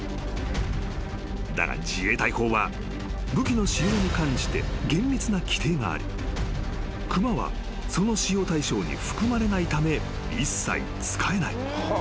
［だが自衛隊法は武器の使用に関して厳密な規定があり熊はその使用対象に含まれないため一切使えない］